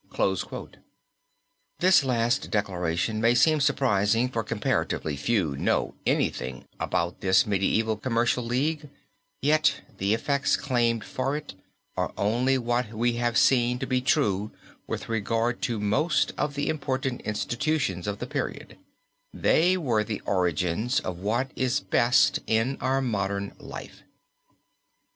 This last declaration may seem surprising for comparatively few know anything about this medieval commercial league, yet the effects claimed for it are only what we have seen to be true with regard to most of the important institutions of the period they were the origins of what is best in our modern life.